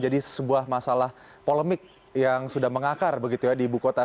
jadi sebuah masalah polemik yang sudah mengakar di ibu kota